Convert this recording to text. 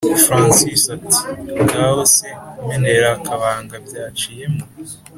francis ati”ngaho se menera akabanga byaciyemo